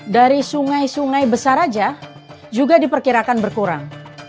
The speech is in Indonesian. dari sungai sungai besar saja juga diperkirakan berkurang